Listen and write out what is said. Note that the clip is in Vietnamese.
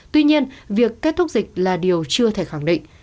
tuy nhiên việc kết thúc dịch là điều chưa thể khẳng định